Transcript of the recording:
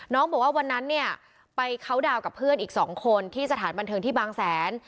บอกว่าวันนั้นเนี่ยไปเคาน์ดาวน์กับเพื่อนอีก๒คนที่สถานบันเทิงที่บางแสน